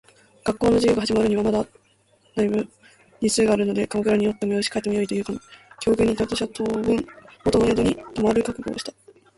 学校の授業が始まるにはまだ大分日数があるので鎌倉におってもよし、帰ってもよいという境遇にいた私は、当分元の宿に留まる覚悟をした。